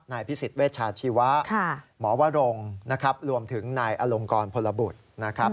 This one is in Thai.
พิสิทธิเวชาชีวะหมอวรงนะครับรวมถึงนายอลงกรพลบุตรนะครับ